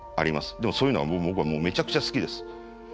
でもそういうのは僕はめちゃくちゃ好きです。